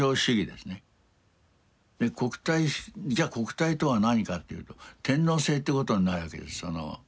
国体じゃあ国体とは何かっていうと天皇制ってことになるわけです。